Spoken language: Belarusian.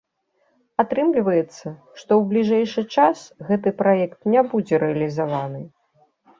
Атрымліваецца, што ў бліжэйшы час гэты праект не будзе рэалізаваны.